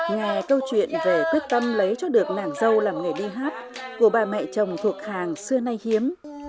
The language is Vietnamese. nghe câu chuyện về quyết tâm lấy cho được nàng dâu làm nghề đi hát của bà mẹ chồng thuộc hàng xưa nay hiếm